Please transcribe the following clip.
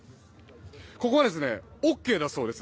ここはＯＫだそうです。